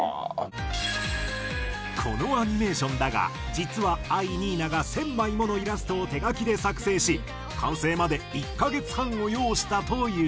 このアニメーションだが実は藍にいなが１０００枚ものイラストを手書きで作成し完成まで１カ月半を要したという。